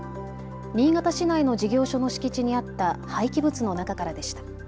新潟市内の事業所の敷地にあった廃棄物の中からでした。